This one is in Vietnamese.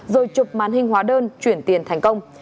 rồi chục màn hình hóa đơn chuyển tiền thành công